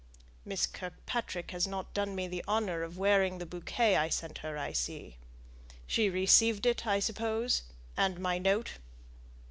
"Miss Kirkpatrick has not done me the honour of wearing the bouquet I sent her, I see. She received it, I suppose, and my note?"